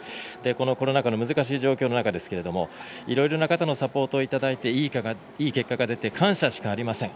このコロナ禍の難しい状況の中ですけれどもいろいろな方のサポートをいただいていい結果が出て感謝しかありません。